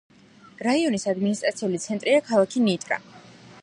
რაიონის ადმინისტრაციული ცენტრია ქალაქი ნიტრა.